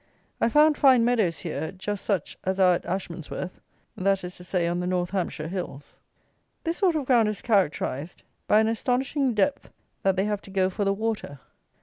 I found fine meadows here, just such as are at Ashmansworth (that is to say, on the north Hampshire hills.) This sort of ground is characterized by an astonishing depth that they have to go for the water.